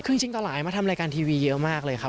คือจริงตอนหลายมาทำรายการทีวีเยอะมากเลยครับ